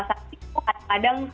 saat itu kadang